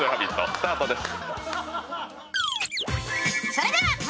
スタートです。